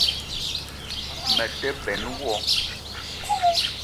Me te benn wo